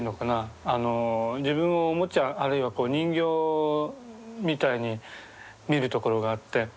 自分をおもちゃあるいは人形みたいに見るところがあって。